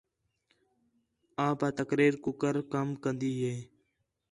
آپ آ تقریر کُکر کَم کن٘دی ہِے